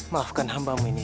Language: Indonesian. maafkan hambamu ini ya allah